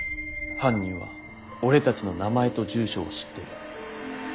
犯人は俺たちの名前と住所を知ってる。